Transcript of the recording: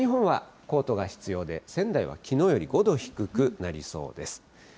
北日本はコートが必要で、仙台はきのうより５度低くなりそうです。